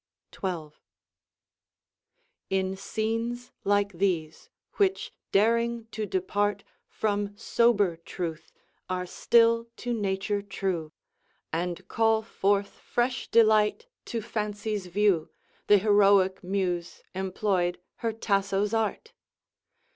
XII In scenes like these, which, daring to depart From sober truth, are still to nature true, And call forth fresh delight to Fancy's view, Th' heroic muse employed her Tasso's art!